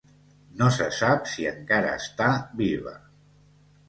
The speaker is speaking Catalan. No se sap si encara està viva.